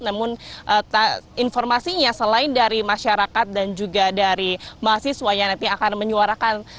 namun informasinya selain dari masyarakat dan juga dari mahasiswa yang nanti akan menyuarakan